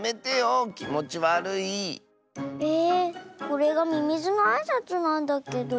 これがミミズのあいさつなんだけど。